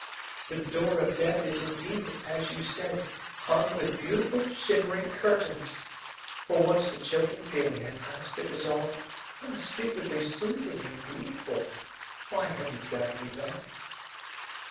"The door of death is indeed, as you said, hung with beautiful, shimmering curtains; for, once the choking feeling had passed, it was all unspeakably soothing and beautiful. Why have you dragged me back?"